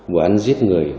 vụ án giết người